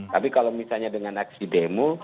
tapi kalau misalnya dengan aksi demo